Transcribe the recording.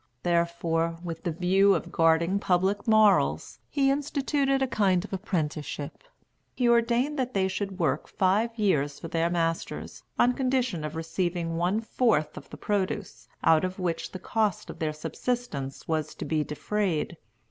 Therefore, with the view of guarding public morals, he instituted a kind of apprenticeship. He ordained that they should work five years for their masters, on condition of receiving one fourth of the produce, out of which the cost of their subsistence was to be defrayed.